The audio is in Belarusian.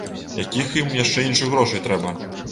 Якіх ім яшчэ іншых грошы трэба.